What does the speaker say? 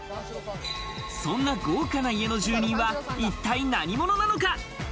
そんな豪華な家の住人は、一体何者なのか。